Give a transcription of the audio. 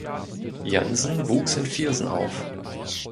Jansen wuchs in Viersen auf.